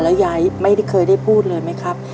แล้วยายไม่เคยได้พูดเลยไหมครับ